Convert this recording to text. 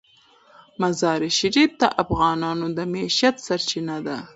مزارشریف د افغانانو د معیشت سرچینه ده.